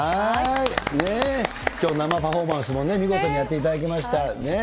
きょう、生パフォーマンスも見事にやっていただきました。